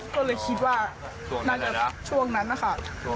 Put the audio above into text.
ก็เลยคิดว่าน่าจะช่วงนั้นนะคะ